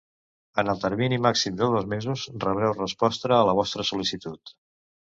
En el termini màxim de dos mesos rebreu resposta a la vostra sol·licitud.